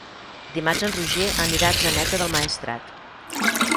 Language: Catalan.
Dimarts en Roger anirà a Atzeneta del Maestrat.